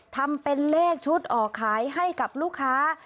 ทำเป็นเลขชุดออกขายให้กับลูกค้า